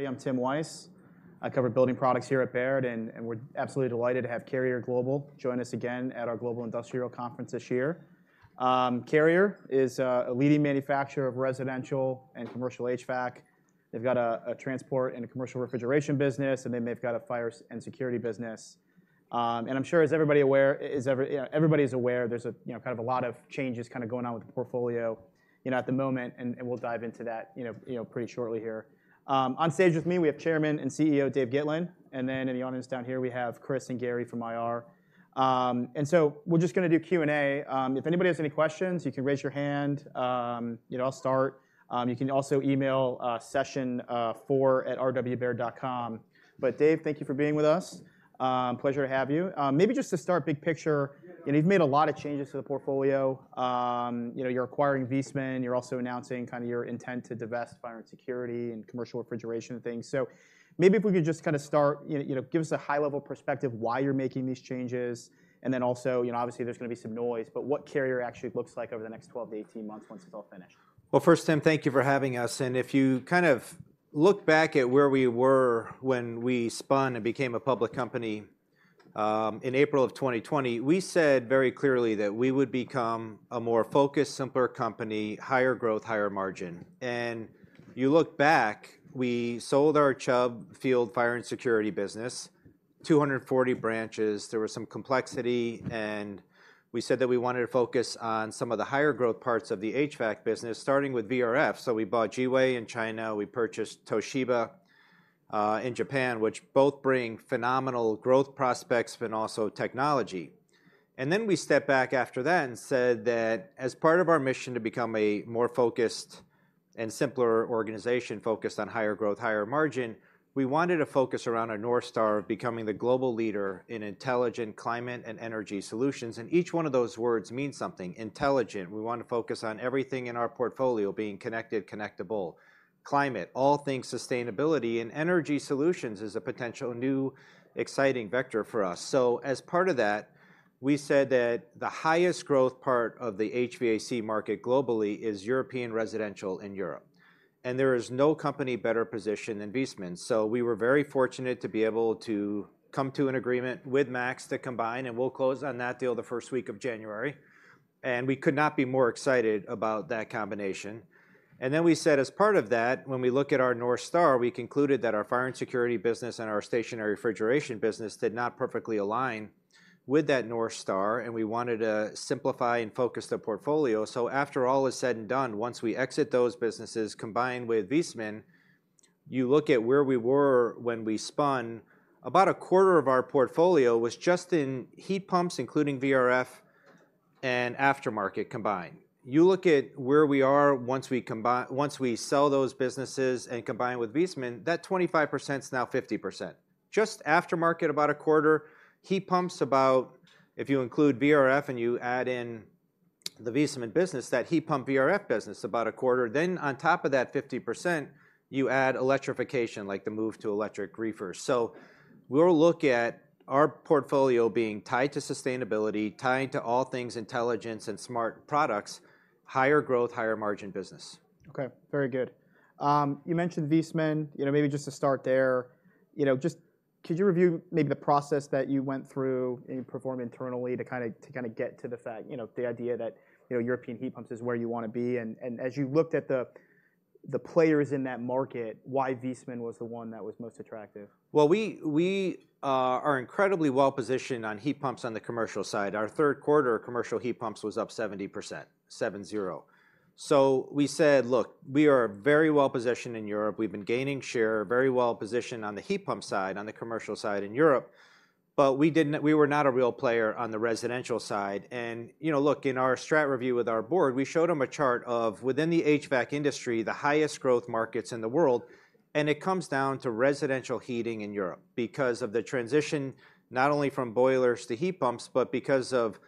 Everybody, I'm Tim Wojs. I cover building products here at Baird, and we're absolutely delighted to have Carrier Global join us again at our Global Industrial Conference this year. Carrier is a leading manufacturer of residential and commercial HVAC. They've got a transport and a commercial refrigeration business, and then they've got a fire and security business. And I'm sure everybody's aware, there's you know kind of a lot of changes kind of going on with the portfolio, you know, at the moment, and we'll dive into that, you know, pretty shortly here. On stage with me, we have Chairman and CEO David Gitlin, and then in the audience down here, we have Chris and Gary from IR. And so we're just gonna do Q&A. If anybody has any questions, you can raise your hand. You know, I'll start. You can also email session 4 at rwbaird.com. But Dave, thank you for being with us. Pleasure to have you. Maybe just to start big picture, you know, you've made a lot of changes to the portfolio. You know, you're acquiring Viessmann. You're also announcing kind of your intent to divest fire and security and commercial refrigeration and things. So maybe if we could just kind of start, you know, give us a high-level perspective why you're making these changes, and then also, you know, obviously, there's gonna be some noise, but what Carrier actually looks like over the next 12-18 months once it's all finished. Well, first, Tim, thank you for having us. And if you kind of look back at where we were when we spun and became a public company in April of 2020, we said very clearly that we would become a more focused, simpler company, higher growth, higher margin. And you look back, we sold our Chubb fire and security business, 240 branches. There was some complexity, and we said that we wanted to focus on some of the higher growth parts of the HVAC business, starting with VRF. So we bought Giwe in China. We purchased Toshiba in Japan, which both bring phenomenal growth prospects and also technology. Then we stepped back after that and said that as part of our mission to become a more focused and simpler organization, focused on higher growth, higher margin, we wanted to focus around our North Star of becoming the global leader in intelligent climate and energy solutions, and each one of those words means something. Intelligent, we want to focus on everything in our portfolio being connected, connectable. Climate, all things sustainability, and energy solutions is a potential new, exciting vector for us. So as part of that, we said that the highest growth part of the HVAC market globally is European residential in Europe, and there is no company better positioned than Viessmann. So we were very fortunate to be able to come to an agreement with Max to combine, and we'll close on that deal the first week of January, and we could not be more excited about that combination. And then we said, as part of that, when we look at our North Star, we concluded that our fire and security business and our stationary refrigeration business did not perfectly align with that North Star, and we wanted to simplify and focus the portfolio. So after all is said and done, once we exit those businesses, combined with Viessmann, you look at where we were when we spun, about a quarter of our portfolio was just in heat pumps, including VRF and aftermarket, combined. You look at where we are once we sell those businesses and combine with Viessmann, that 25% is now 50%. Just aftermarket, about a quarter. Heat pumps, about... If you include VRF, and you add in the Viessmann business, that heat pump VRF business, about a quarter. Then on top of that 50%, you add electrification, like the move to electric reefers. So we'll look at our portfolio being tied to sustainability, tying to all things intelligence and smart products, higher growth, higher margin business. Okay, very good. You mentioned Viessmann. You know, maybe just to start there, you know, just could you review maybe the process that you went through and you performed internally to kinda get to the fact, you know, the idea that, you know, European heat pumps is where you wanna be? And as you looked at the players in that market, why Viessmann was the one that was most attractive? Well, we are incredibly well-positioned on heat pumps on the commercial side. Our third quarter commercial heat pumps was up 70%, seven zero. So we said, "Look, we are very well-positioned in Europe. We've been gaining share, very well-positioned on the heat pump side, on the commercial side in Europe, but we didn't, we were not a real player on the residential side." And, you know, look, in our strat review with our board, we showed them a chart of within the HVAC industry, the highest growth markets in the world, and it comes down to residential heating in Europe, because of the transition, not only from boilers to heat pumps, but because of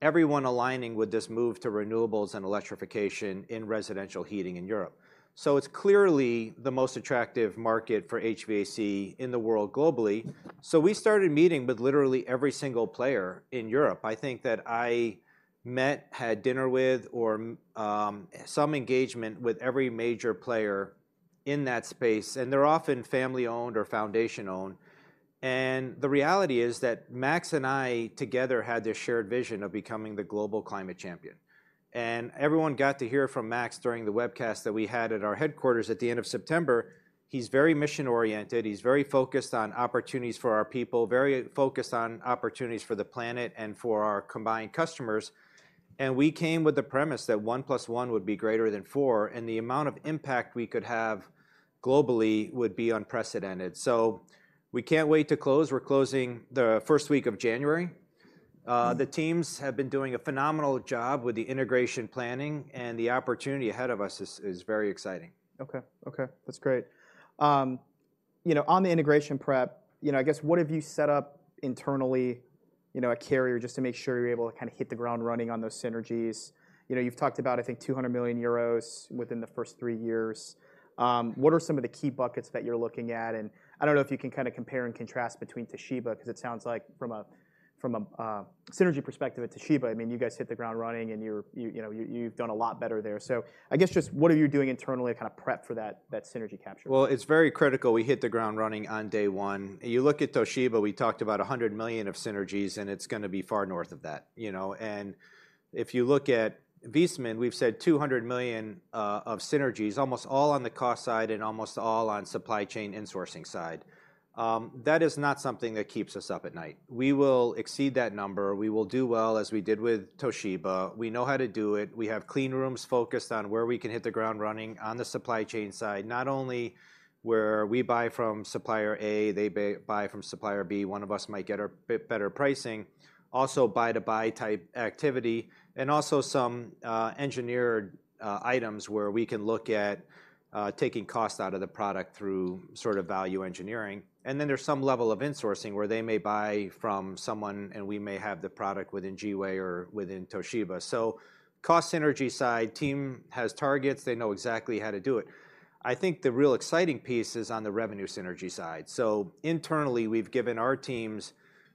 everyone aligning with this move to renewables and electrification in residential heating in Europe. So it's clearly the most attractive market for HVAC in the world globally. So we started meeting with literally every single player in Europe. I think that I met, had dinner with, or some engagement with every major player in that space, and they're often family-owned or foundation-owned. And the reality is that Max and I together had this shared vision of becoming the global climate champion, and everyone got to hear from Max during the webcast that we had at our headquarters at the end of September. He's very mission-oriented. He's very focused on opportunities for our people, very focused on opportunities for the planet and for our combined customers, and we came with the premise that one plus one would be greater than four, and the amount of impact we could have globally would be unprecedented. So we can't wait to close. We're closing the first week of January. The teams have been doing a phenomenal job with the integration planning, and the opportunity ahead of us is very exciting. Okay. Okay, that's great. You know, on the integration prep, you know, I guess what have you set up internally?... you know, at Carrier just to make sure you're able to kind of hit the ground running on those synergies. You know, you've talked about, I think, 200 million euros within the first three years. What are some of the key buckets that you're looking at? And I don't know if you can kinda compare and contrast between Toshiba, 'cause it sounds like from a, from a, synergy perspective at Toshiba, I mean, you guys hit the ground running and you're, you, you know, you, you've done a lot better there. So I guess just what are you doing internally to kind of prep for that, that synergy capture? Well, it's very critical we hit the ground running on day one. You look at Toshiba, we talked about $100 million of synergies, and it's gonna be far north of that, you know? And if you look at Viessmann, we've said $200 million of synergies, almost all on the cost side and almost all on the supply chain and sourcing side. That is not something that keeps us up at night. We will exceed that number. We will do well as we did with Toshiba. We know how to do it. We have clean rooms focused on where we can hit the ground running on the supply chain side, not only where we buy from supplier A, they buy from supplier B, one of us might get a bit better pricing. Also, buy-to-buy type activity, and also some engineered items where we can look at taking cost out of the product through sort of value engineering. And then, there's some level of insourcing where they may buy from someone, and we may have the product within Gea or within Toshiba. So, cost synergy side, team has targets. They know exactly how to do it. I think the real exciting piece is on the revenue synergy side. So internally, we've given our teams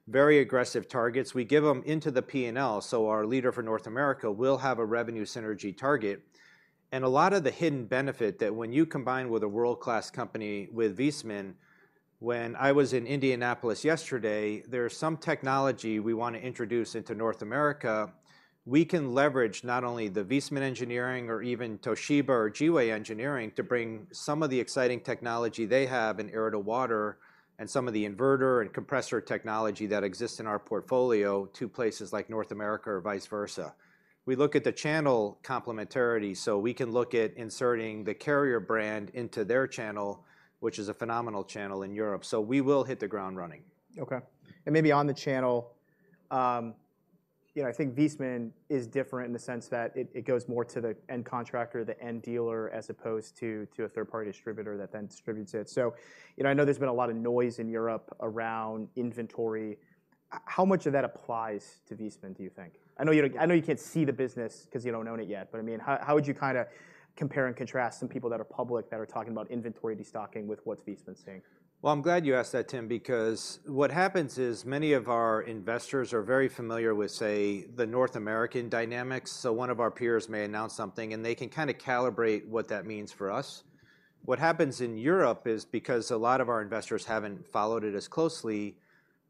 very aggressive targets. We give them into the P&L, so our leader for North America will have a revenue synergy target. And a lot of the hidden benefit that when you combine with a world-class company, with Viessmann. When I was in Indianapolis yesterday, there is some technology we wanna introduce into North America. We can leverage not only the Viessmann engineering or even Toshiba or Gea engineering, to bring some of the exciting technology they have in air-to-water, and some of the inverter and compressor technology that exists in our portfolio to places like North America or vice versa. We look at the channel complementarity, so we can look at inserting the Carrier brand into their channel, which is a phenomenal channel in Europe. So we will hit the ground running. Okay. And maybe on the channel, you know, I think Viessmann is different in the sense that it goes more to the end contractor, the end dealer, as opposed to a third-party distributor that then distributes it. So, you know, I know there's been a lot of noise in Europe around inventory. How much of that applies to Viessmann, do you think? I know you, I know you can't see the business 'cause you don't own it yet, but, I mean, how would you kinda compare and contrast some people that are public, that are talking about inventory destocking with what Viessmann's seeing? Well, I'm glad you asked that, Tim, because what happens is, many of our investors are very familiar with, say, the North American dynamics. So one of our peers may announce something, and they can kinda calibrate what that means for us. What happens in Europe is because a lot of our investors haven't followed it as closely,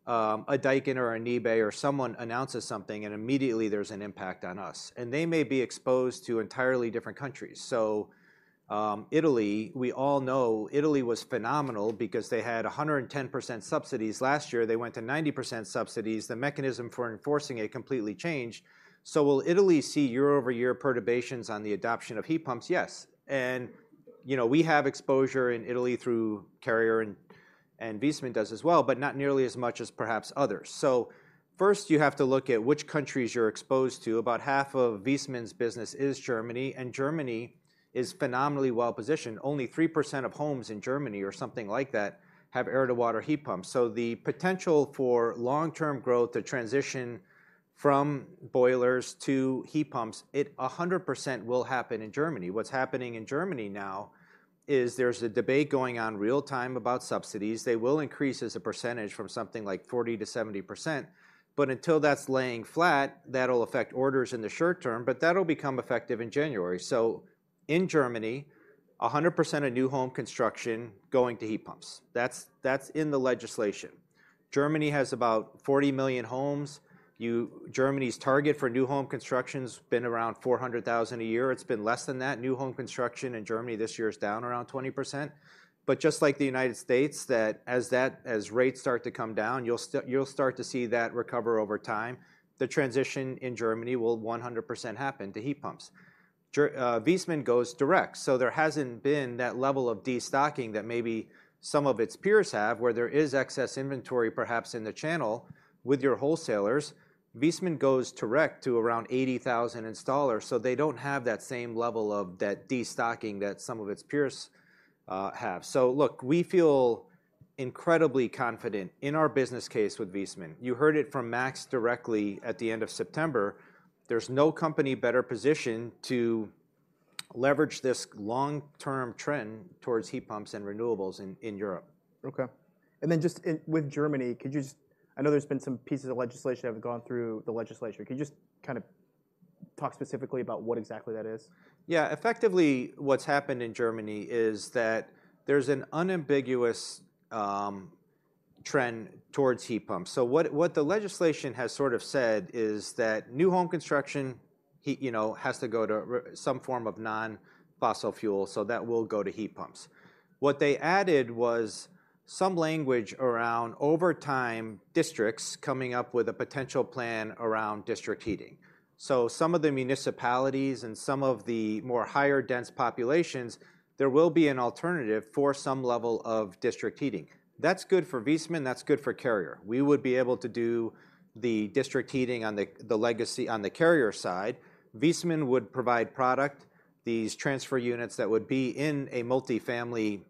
a Daikin or a NIBE or someone announces something, and immediately, there's an impact on us, and they may be exposed to entirely different countries. So, Italy, we all know Italy was phenomenal because they had 110% subsidies last year. They went to 90% subsidies. The mechanism for enforcing it completely changed. So will Italy see year-over-year perturbations on the adoption of heat pumps? Yes. You know, we have exposure in Italy through Carrier, and Viessmann does as well, but not nearly as much as perhaps others. First, you have to look at which countries you're exposed to. About half of Viessmann's business is Germany, and Germany is phenomenally well-positioned. Only 3% of homes in Germany, or something like that, have air-to-water heat pumps. So the potential for long-term growth, the transition from boilers to heat pumps, it 100% will happen in Germany. What's happening in Germany now is there's a debate going on real time about subsidies. They will increase as a percentage from something like 40%-70%, but until that's laying flat, that'll affect orders in the short term, but that'll become effective in January. So in Germany, 100% of new home construction going to heat pumps. That's, that's in the legislation. Germany has about 40 million homes. Germany's target for new home construction's been around 400,000 a year. It's been less than that. New home construction in Germany this year is down around 20%. But just like the United States, as rates start to come down, you'll start to see that recover over time. The transition in Germany will 100% happen to heat pumps. Viessmann goes direct, so there hasn't been that level of destocking that maybe some of its peers have, where there is excess inventory, perhaps in the channel with your wholesalers. Viessmann goes direct to around 80,000 installers, so they don't have that same level of that destocking that some of its peers have. So look, we feel incredibly confident in our business case with Viessmann. You heard it from Max directly at the end of September. There's no company better positioned to leverage this long-term trend towards heat pumps and renewables in Europe. Okay. And then just in with Germany, could you just... I know there's been some pieces of legislation that have gone through the legislature. Can you just kinda talk specifically about what exactly that is? Yeah. Effectively, what's happened in Germany is that there's an unambiguous trend towards heat pumps. So what, what the legislation has sort of said is that new home construction heat, you know, has to go to r- some form of non-fossil fuel, so that will go to heat pumps. What they added was some language around over time, districts coming up with a potential plan around district heating. So some of the municipalities and some of the more higher dense populations, there will be an alternative for some level of district heating. That's good for Viessmann, that's good for Carrier. We would be able to do the district heating on the, the legacy, on the Carrier side. Viessmann would provide product, these transfer units that would be in a multi-family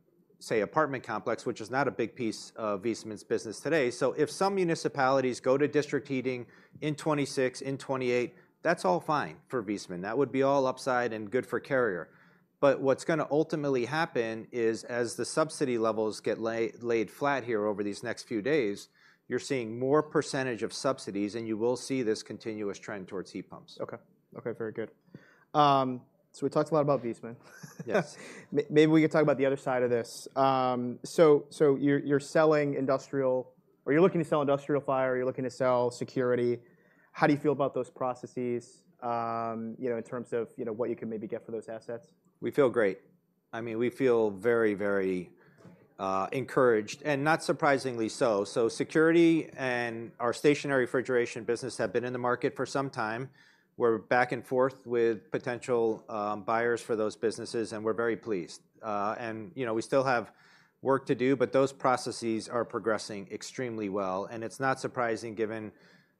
say, apartment complex, which is not a big piece of Viessmann's business today. So if some municipalities go to district heating in 2026, in 2028, that's all fine for Viessmann. That would be all upside and good for Carrier. But what's gonna ultimately happen is, as the subsidy levels get laid flat here over these next few days, you're seeing more percentage of subsidies, and you will see this continuous trend towards heat pumps. Okay. Okay, very good. So we talked a lot about Viessmann. Yes. Maybe we could talk about the other side of this. So you're selling industrial or you're looking to sell industrial fire, you're looking to sell security. How do you feel about those processes, you know, in terms of, you know, what you can maybe get for those assets? We feel great. I mean, we feel very, very, encouraged, and not surprisingly so. So security and our stationary refrigeration business have been in the market for some time. We're back and forth with potential buyers for those businesses, and we're very pleased. And, you know, we still have work to do, but those processes are progressing extremely well, and it's not surprising, given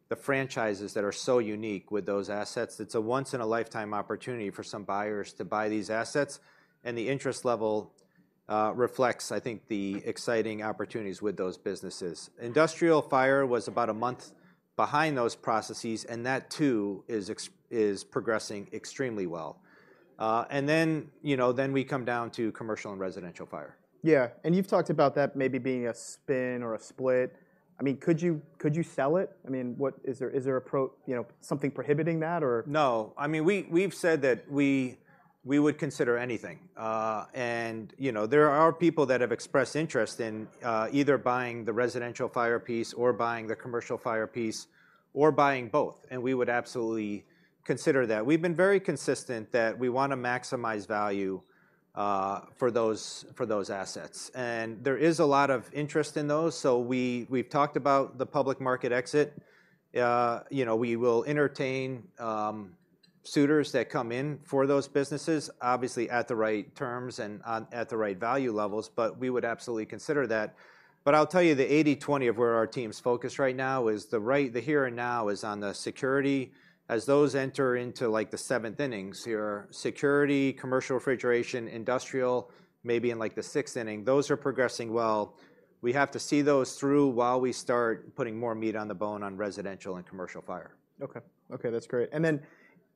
the franchises that are so unique with those assets. It's a once-in-a-lifetime opportunity for some buyers to buy these assets, and the interest level reflects, I think, the exciting opportunities with those businesses. Industrial fire was about a month behind those processes, and that too is progressing extremely well. And then, you know, we come down to commercial and residential fire. Yeah, and you've talked about that maybe being a spin or a split. I mean, could you, could you sell it? I mean, what... Is there, is there a pro- you know, something prohibiting that or- No. I mean, we've said that we would consider anything. And you know, there are people that have expressed interest in either buying the residential fire piece or buying the commercial fire piece or buying both, and we would absolutely consider that. We've been very consistent that we wanna maximize value for those assets, and there is a lot of interest in those, so we've talked about the public market exit. You know, we will entertain suitors that come in for those businesses, obviously at the right terms and at the right value levels, but we would absolutely consider that. But I'll tell you, the 80 - 20 of where our team's focused right now is the here and now is on the security. As those enter into, like, the seventh innings here, security, commercial refrigeration, industrial, maybe in, like, the sixth inning, those are progressing well. We have to see those through while we start putting more meat on the bone on residential and commercial fire. Okay. Okay, that's great. And then,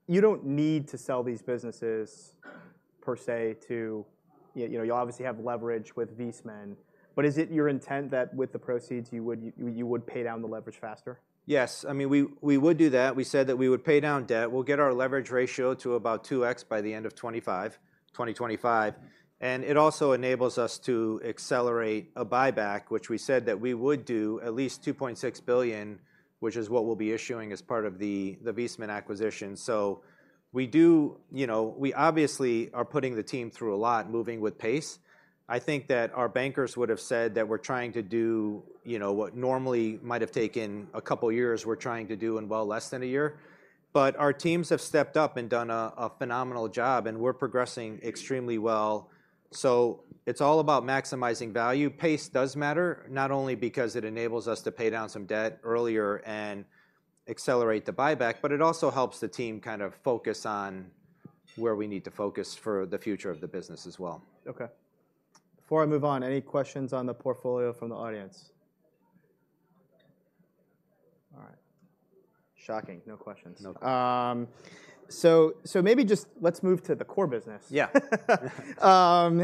you don't need to sell these businesses, per se, to... you know, you obviously have leverage with Viessmann, but is it your intent that with the proceeds, you would pay down the leverage faster? Yes. I mean, we would do that. We said that we would pay down debt. We'll get our leverage ratio to about 2x by the end of 2025, and it also enables us to accelerate a buyback, which we said that we would do at least $2.6 billion, which is what we'll be issuing as part of the Viessmann acquisition. So we do... You know, we obviously are putting the team through a lot, moving with pace. I think that our bankers would have said that we're trying to do, you know, what normally might have taken a couple of years, we're trying to do in well less than a year. But our teams have stepped up and done a phenomenal job, and we're progressing extremely well. So it's all about maximizing value. Pace does matter, not only because it enables us to pay down some debt earlier and accelerate the buyback, but it also helps the team kind of focus on where we need to focus for the future of the business as well. Okay. Before I move on, any questions on the portfolio from the audience? All right. Shocking. No questions. No questions. So, maybe just let's move to the core business. Yeah. You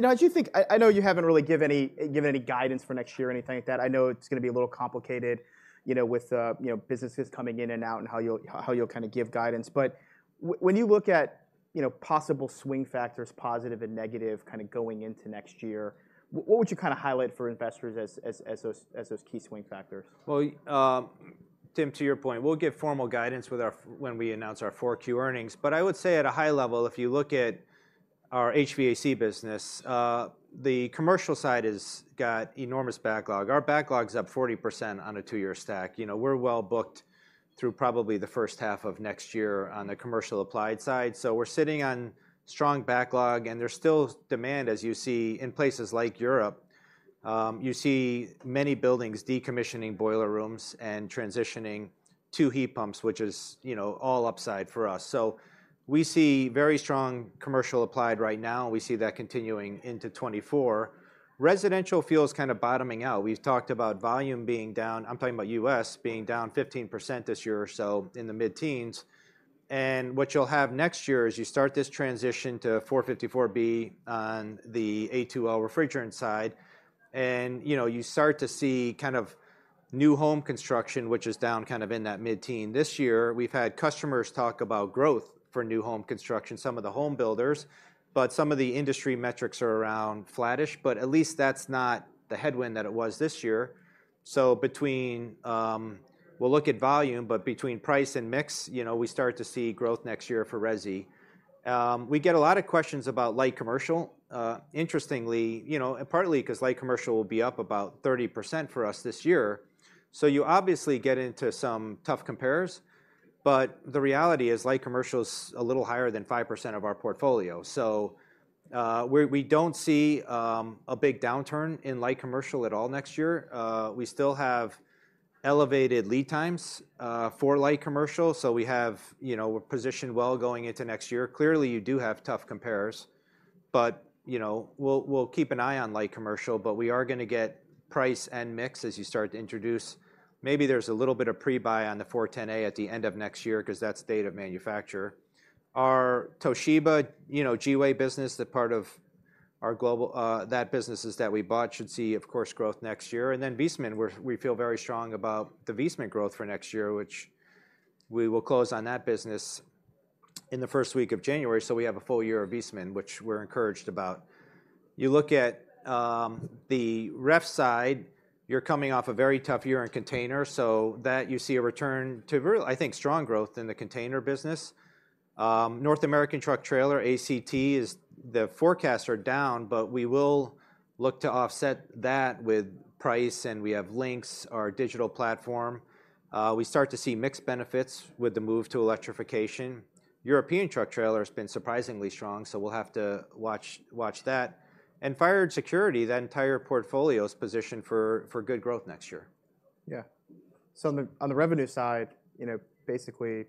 know, do you think... I know you haven't really given any guidance for next year or anything like that. I know it's gonna be a little complicated, you know, with you know, businesses coming in and out and how you'll kinda give guidance. But when you look at, you know, possible swing factors, positive and negative, kind of going into next year, what would you kind of highlight for investors as those key swing factors? Well, Tim, to your point, we'll give formal guidance with our when we announce our Q4 earnings. But I would say at a high level, if you look at our HVAC business, the commercial side has got enormous backlog. Our backlog's up 40% on a two-year stack. You know, we're well-booked through probably the first half of next year on the commercial applied side. So we're sitting on strong backlog, and there's still demand, as you see, in places like Europe. You see many buildings decommissioning boiler rooms and transitioning to heat pumps, which is, you know, all upside for us. So we see very strong commercial applied right now, and we see that continuing into '2024. Residential fuel is kind of bottoming out. We've talked about volume being down, I'm talking about U.S., being down 15% this year or so, in the mid-teens. And what you'll have next year is you start this transition to 454B on the A2L refrigerant side, and, you know, you start to see kind of new home construction, which is down kind of in that mid-teen. This year, we've had customers talk about growth for new home construction, some of the home builders, but some of the industry metrics are around flattish, but at least that's not the headwind that it was this year. So between, we'll look at volume, but between price and mix, you know, we start to see growth next year for Resi. We get a lot of questions about light commercial, interestingly, you know, and partly because light commercial will be up about 30% for us this year. So you obviously get into some tough compares, but the reality is, light commercial is a little higher than 5% of our portfolio. So, we don't see a big downturn in light commercial at all next year. We still have elevated lead times for light commercial. So we have, you know, we're positioned well going into next year. Clearly, you do have tough compares, but, you know, we'll keep an eye on light commercial, but we are gonna get price and mix as you start to introduce. Maybe there's a little bit of pre-buy on the R-410A at the end of next year 'cause that's date of manufacture. Our Toshiba, you know, Gea business, the part of our global, that businesses that we bought should see, of course, growth next year. And then Viessmann, we're, we feel very strong about the Viessmann growth for next year, which we will close on that business in the first week of January, so we have a full year of Viessmann, which we're encouraged about. You look at, the ref side, you're coming off a very tough year in container, so that you see a return to really, I think, strong growth in the container business. North American truck trailer, ACT—the forecasts are down, but we will look to offset that with price, and we have Lynx, our digital platform. We start to see mixed benefits with the move to electrification. European truck trailer has been surprisingly strong, so we'll have to watch, watch that. Fire and security, that entire portfolio is positioned for good growth next year. Yeah. So on the revenue side, you know, basically,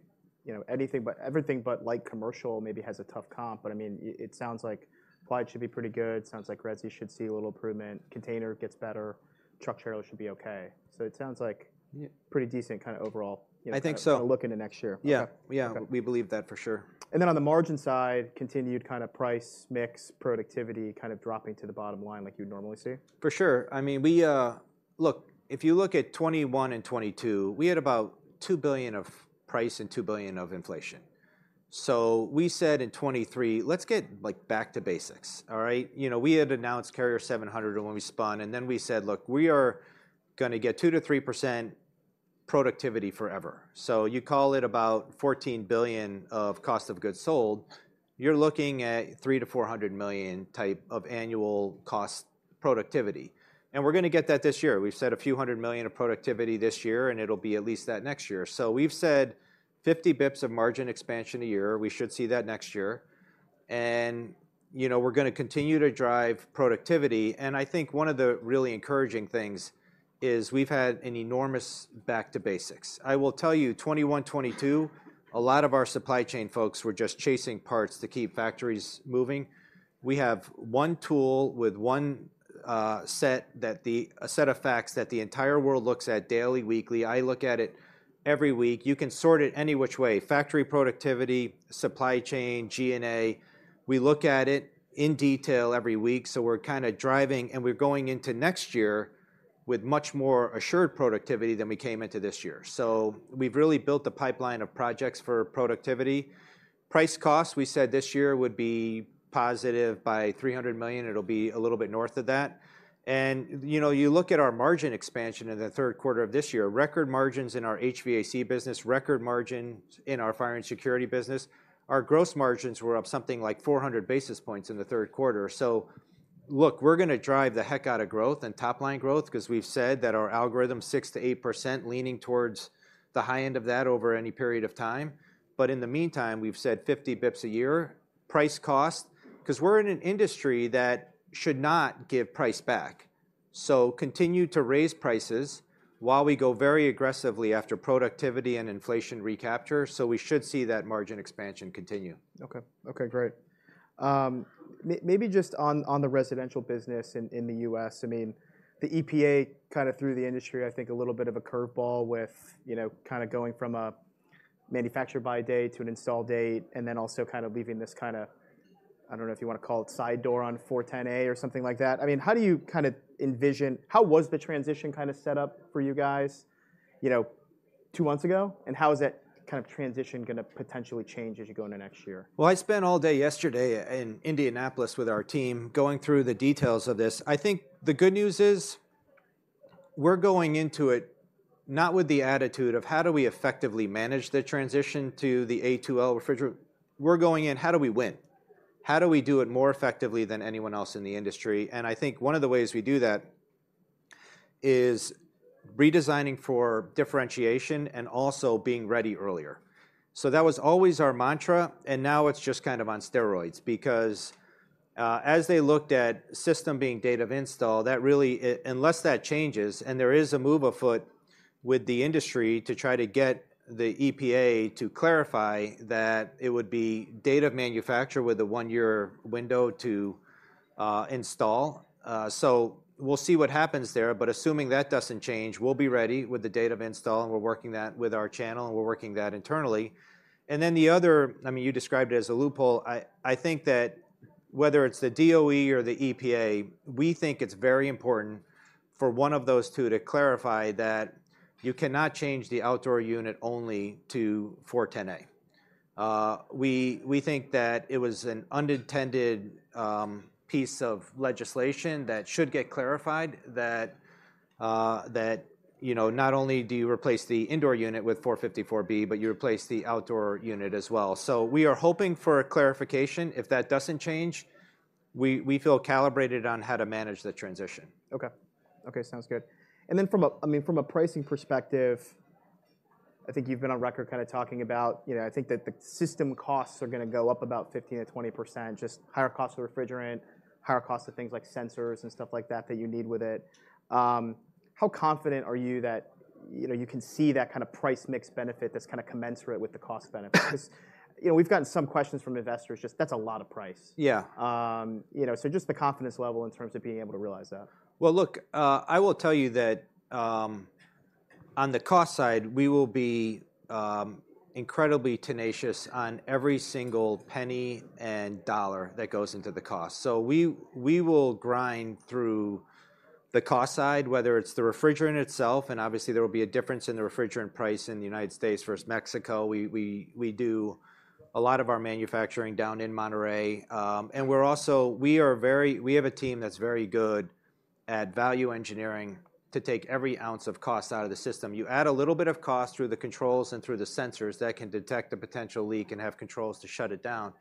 you know, everything but light commercial maybe has a tough comp, but, I mean, it sounds like freight should be pretty good, sounds like Resi should see a little improvement, container gets better, truck trailer should be okay. So it sounds like- Yeah. -pretty decent kind of overall- I think so. You know, look into next year. Yeah. Okay. Yeah, we believe that for sure. On the margin side, continued kind of price, mix, productivity, kind of dropping to the bottom line like you'd normally see? For sure. I mean, we... Look, if you look at 2021 and 2022, we had about $2 billion of price and $2 billion of inflation. So we said in 2023, "Let's get, like, back to basics," all right? You know, we had announced Carrier 700 when we spun, and then we said, "Look, we are gonna get 2%-3% productivity forever." So you call it about $14 billion of cost of goods sold, you're looking at $300 million-$400 million type of annual cost productivity. And we're gonna get that this year. We've said a few $100 million of productivity this year, and it'll be at least that next year. So we've said 50 basis points of margin expansion a year, we should see that next year. You know, we're gonna continue to drive productivity, and I think one of the really encouraging things is we've had an enormous back to basics. I will tell you, 2021, 2022, a lot of our supply chain folks were just chasing parts to keep factories moving. We have one tool with one set of facts that the entire world looks at daily, weekly. I look at it every week. You can sort it any which way: factory productivity, supply chain, G&A. We look at it in detail every week, so we're kinda driving, and we're going into next year with much more assured productivity than we came into this year. So we've really built a pipeline of projects for productivity. Price cost, we said this year, would be positive by $300 million. It'll be a little bit north of that. You know, you look at our margin expansion in the Q3 of this year, record margins in our HVAC business, record margins in our fire and security business. Our gross margins were up something like 400 basis points in the Q3. So look, we're gonna drive the heck out of growth and top-line growth 'cause we've said that our algorithm, 6%-8%, leaning towards the high end of that over any period of time. But in the meantime, we've said 50 basis points a year. Price cost, 'cause we're in an industry that should not give price back. So continue to raise prices while we go very aggressively after productivity and inflation recapture, so we should see that margin expansion continue. Okay, okay, great. Maybe just on the residential business in the U.S., I mean, the EPA kind of threw the industry, I think, a little bit of a curveball with, you know, kind of going from a manufacture by day to an install date, and then also kind of leaving this kinda, I don't know if you wanna call it side door on R-410A or something like that. I mean, how do you kind of envision... How was the transition kind of set up for you guys, you know, two months ago? And how is that kind of transition gonna potentially change as you go into next year? Well, I spent all day yesterday in Indianapolis with our team, going through the details of this. I think the good news is, we're going into it not with the attitude of: How do we effectively manage the transition to the A2L refrigerant? We're going in: How do we win? How do we do it more effectively than anyone else in the industry? And I think one of the ways we do that is redesigning for differentiation and also being ready earlier. So that was always our mantra, and now it's just kind of on steroids, because, as they looked at system being date of install, that really, unless that changes, and there is a move afoot with the industry to try to get the EPA to clarify that it would be date of manufacture with a one-year window to, install. So we'll see what happens there, but assuming that doesn't change, we'll be ready with the date of install, and we're working that with our channel, and we're working that internally. And then the other... I mean, you described it as a loophole. I, I think that whether it's the DOE or the EPA, we think it's very important for one of those two to clarify that you cannot change the outdoor unit only to R-410A. We, we think that it was an unintended piece of legislation that should get clarified, that, that, you know, not only do you replace the indoor unit with R-454B, but you replace the outdoor unit as well. So we are hoping for a clarification. If that doesn't change, we, we feel calibrated on how to manage the transition. Okay. Okay, sounds good. Then, I mean, from a pricing perspective... I think you've been on record kind of talking about, you know, I think that the system costs are gonna go up about 15%-20%. Just higher cost of refrigerant, higher cost of things like sensors and stuff like that, that you need with it. How confident are you that, you know, you can see that kind of price mix benefit that's kind of commensurate with the cost benefit? 'Cause, you know, we've gotten some questions from investors, just that's a lot of price. Yeah. You know, so just the confidence level in terms of being able to realize that. Well, look, I will tell you that on the cost side, we will be incredibly tenacious on every single penny and dollar that goes into the cost. So we will grind through the cost side, whether it's the refrigerant itself, and obviously there will be a difference in the refrigerant price in the United States versus Mexico. We do a lot of our manufacturing down in Monterrey. And we also have a team that's very good at value engineering to take every ounce of cost out of the system. You add a little bit of cost through the controls and through the sensors that can detect a potential leak and have controls to shut it down,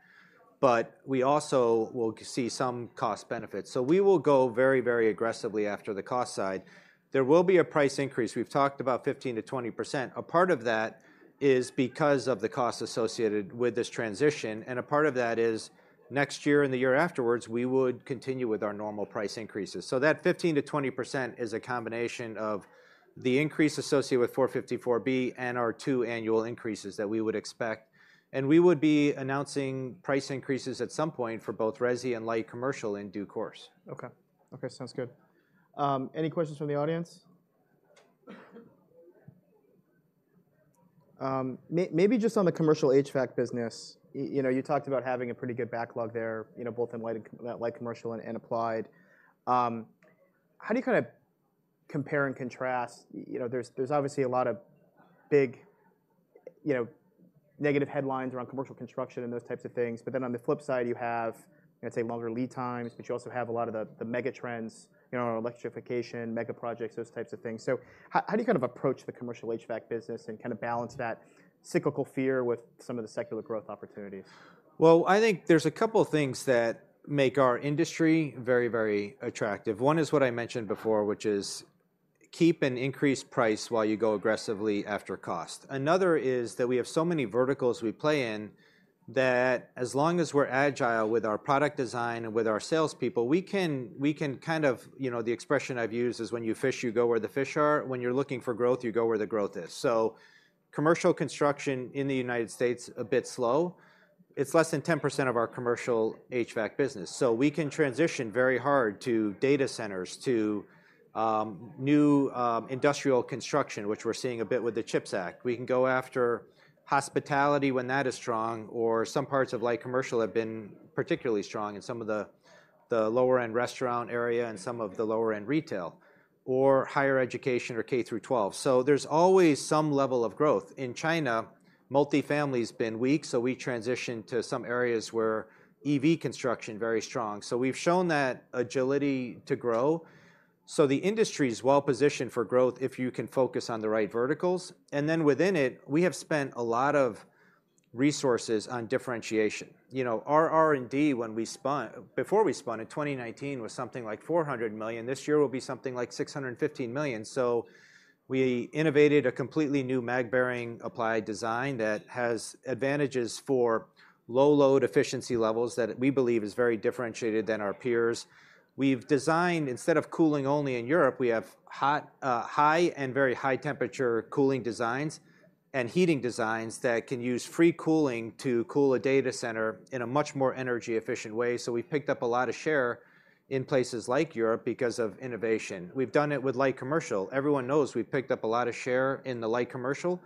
but we also will see some cost benefits. So we will go very, very aggressively after the cost side. There will be a price increase. We've talked about 15%-20%. A part of that is because of the cost associated with this transition, and a part of that is next year and the year afterwards, we would continue with our normal price increases. So that 15%-20% is a combination of the increase associated with 454B and our two annual increases that we would expect, and we would be announcing price increases at some point for both Resi and light commercial in due course. Okay. Okay, sounds good. Any questions from the audience? Maybe just on the commercial HVAC business, you know, you talked about having a pretty good backlog there, you know, both in light and that light commercial and applied. How do you kind of compare and contrast... You know, there's obviously a lot of big, you know, negative headlines around commercial construction and those types of things, but then on the flip side, you have, I'd say, longer lead times, but you also have a lot of the mega trends, you know, electrification, mega projects, those types of things. So how do you kind of approach the commercial HVAC business and kind of balance that cyclical fear with some of the secular growth opportunities? Well, I think there's a couple of things that make our industry very, very attractive. One is what I mentioned before, which is keep an increased price while you go aggressively after cost. Another is that we have so many verticals we play in, that as long as we're agile with our product design and with our salespeople, we can, we can kind of... You know, the expression I've used is, when you fish, you go where the fish are. When you're looking for growth, you go where the growth is. So commercial construction in the United States, a bit slow. It's less than 10% of our commercial HVAC business. So we can transition very hard to data centers, to new industrial construction, which we're seeing a bit with the CHIPS Act. We can go after hospitality when that is strong, or some parts of light commercial have been particularly strong in some of the, the lower-end restaurant area and some of the lower-end retail, or higher education or K through 12. So there's always some level of growth. In China, multi-family's been weak, so we transitioned to some areas where EV construction, very strong. So we've shown that agility to grow. So the industry is well positioned for growth if you can focus on the right verticals. And then within it, we have spent a lot of resources on differentiation. You know, our R&D, when we spun—before we spun in 2019, was something like $400 million. This year, it will be something like $615 million. So we innovated a completely new mag bearing applied design that has advantages for low load efficiency levels that we believe is very differentiated than our peers. We've designed, instead of cooling only in Europe, we have hot, high and very high temperature cooling designs and heating designs that can use free cooling to cool a data center in a much more energy-efficient way. So we've picked up a lot of share in places like Europe because of innovation. We've done it with light commercial. Everyone knows we've picked up a lot of share in the light commercial,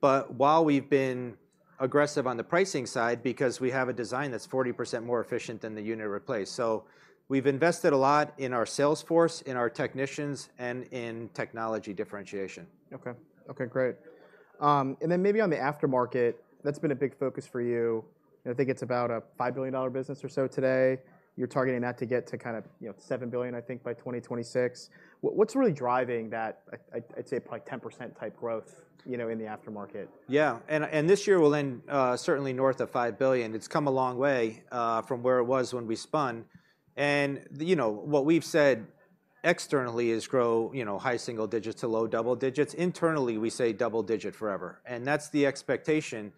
but while we've been aggressive on the pricing side, because we have a design that's 40% more efficient than the unit it replaced. So we've invested a lot in our sales force, in our technicians, and in technology differentiation. Okay. Okay, great. And then maybe on the aftermarket, that's been a big focus for you. I think it's about a $5 billion business or so today. You're targeting that to get to kind of, you know, $7 billion, I think, by 2026. What, what's really driving that, I, I'd say, probably 10% type growth, you know, in the aftermarket? Yeah. And this year will end certainly north of $5 billion. It's come a long way from where it was when we spun, and, you know, what we've said externally is grow, you know, high single digits to low double digits. Internally, we say double digit forever, and that's the expectation.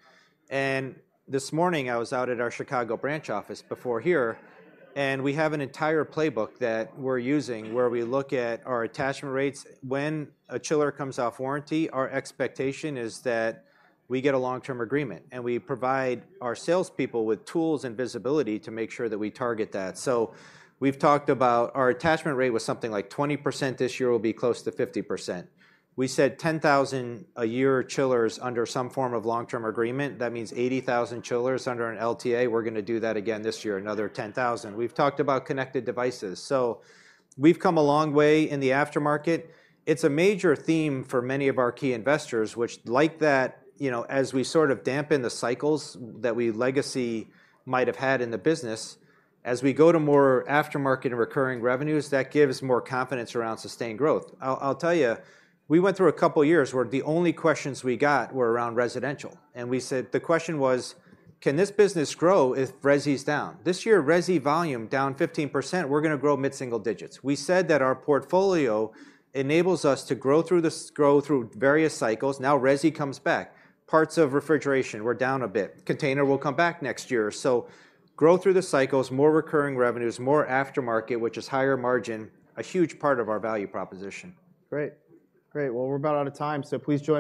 And this morning, I was out at our Chicago branch office before here, and we have an entire playbook that we're using, where we look at our attachment rates. When a chiller comes off warranty, our expectation is that we get a long-term agreement, and we provide our salespeople with tools and visibility to make sure that we target that. So we've talked about our attachment rate was something like 20%, this year will be close to 50%. We said 10,000 a year chillers under some form of long-term agreement. That means 80,000 chillers under an LTA. We're gonna do that again this year, another 10,000. We've talked about connected devices, so we've come a long way in the aftermarket. It's a major theme for many of our key investors, which like that, you know, as we sort of dampen the cycles that we legacy might have had in the business, as we go to more aftermarket and recurring revenues, that gives more confidence around sustained growth. I'll, I'll tell you, we went through a couple of years where the only questions we got were around residential, and we said... The question was: Can this business grow if Resi's down? This year, Resi volume down 15%, we're gonna grow mid-single digits. We said that our portfolio enables us to grow through this, grow through various cycles. Now, Resi comes back. Parts of refrigeration were down a bit. Container will come back next year. So grow through the cycles, more recurring revenues, more aftermarket, which is higher margin, a huge part of our value proposition. Great. Great. Well, we're about out of time, so please join-